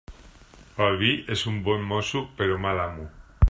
El vi és un bon mosso, però mal amo.